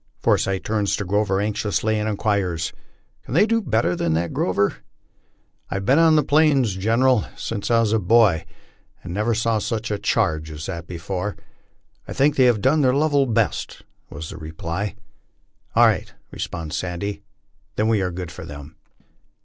Forsyth turns to Grover anxiously and inquires, "Can they do better than that, Grover?" "I have been on the Plains, General, since a boy, and never saw such a charge as that before. I think they have done their level best," was the reply. " All right," responds " Sandy" ;" then we are good for them."